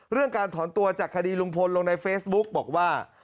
การถอนตัวจากคดีลุงพลลงในเฟซบุ๊กบอกว่า